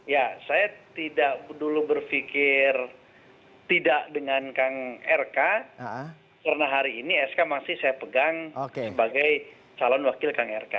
ya saya tidak dulu berpikir tidak dengan kang rk karena hari ini sk masih saya pegang sebagai calon wakil kang rk